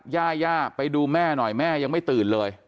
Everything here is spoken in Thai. ย่าย่าไปดูแม่หน่อยแม่ยังไม่ตื่นเลย